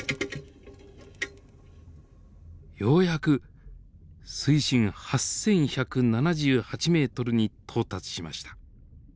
ようやく水深８，１７８ｍに到達しました。